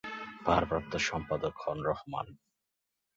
ভারপ্রাপ্ত সম্পাদক হন রহমান।